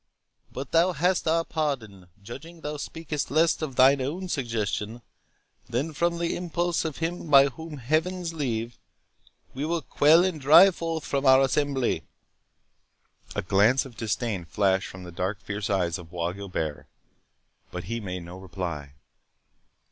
But thou hast our pardon, judging thou speakest less of thine own suggestion than from the impulse of him whom by Heaven's leave, we will quell and drive forth from our assembly." A glance of disdain flashed from the dark fierce eyes of Bois Guilbert, but he made no reply.